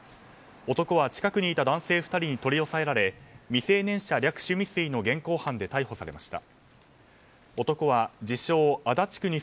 男は、近くにいた男性２人に取り押さえられ未成年者略取未遂の現行犯で逮捕されました。